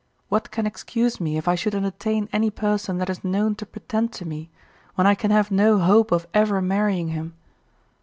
What can excuse me if I should entertain any person that is known to pretend to me, when I can have no hope of ever marrying him?